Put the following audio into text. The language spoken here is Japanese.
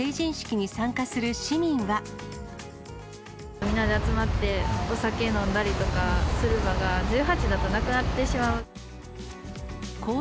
みんなで集まって、お酒飲んだりとかするのが、１８だとなくなってしまう。